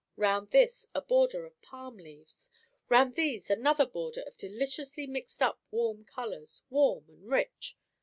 Round this a border of palm leaves. Round these another border of deliciously mixed up warm colours; warm and rich.